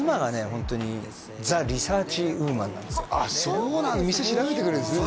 ホントにザ・リサーチウーマンなんですよあっそうなんだ店調べてくれるんですね